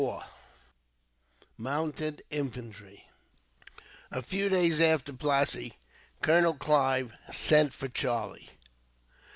Chapter 24: Mounted Infantry. A few days after Plassey, Colonel Clive sent for Charlie.